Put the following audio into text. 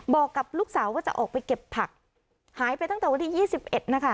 บอกกับลูกสาวว่าจะออกไปเก็บผักหายไปตั้งแต่วันที่ยี่สิบเอ็ดนะคะ